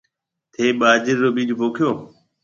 ٿَي ٻاجَرِي رو ٻِيج پوکيو۔